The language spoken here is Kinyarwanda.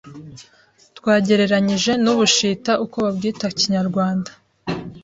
twagereranyije n’ubushita uko wabwita Kinyarwanda,